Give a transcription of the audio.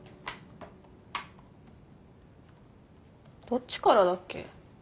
どっちからだっけ？